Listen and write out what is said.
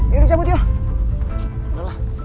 yuk dicabut yuk